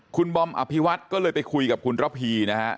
คุณบอมอภิวัตรก็เลยไปคุยกับคุณระพีนะฮะ